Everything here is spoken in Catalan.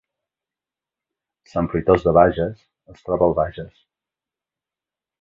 Sant Fruitós de Bages es troba al Bages